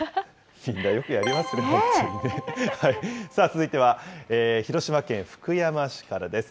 続いては広島県福山市からです。